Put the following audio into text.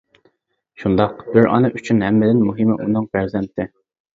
شۇنداق، بىر ئانا ئۈچۈن ھەممىدىن مۇھىمى ئۇنىڭ پەرزەنتى.